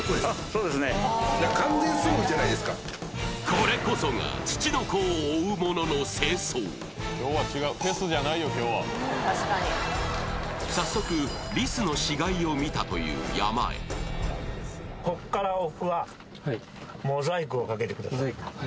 これこそがツチノコを追う者の正装早速リスの死骸を見たという山へをかけてください